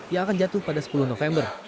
yang akan jatuh pada sepuluh november